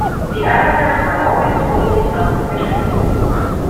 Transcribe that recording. The islanders were always totally self-sufficient.